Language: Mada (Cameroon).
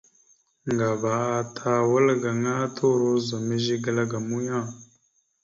Ŋgaba ata wal gaŋa turo ozum zigəla ga muyang.